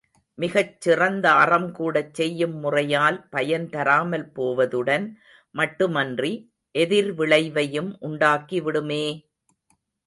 மிகச் சிறந்த அறம் கூடச் செய்யும் முறையால் பயன்தராமல் போவதுடன் மட்டுமன்றி எதிர்விளைவையும் உண்டாக்கி விடுமே!